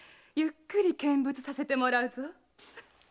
ゆっくり見物させてもらうぞ。